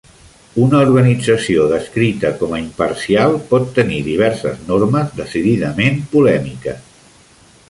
Una organització descrita com a imparcial pot tenir diverses normes decididament polèmiques.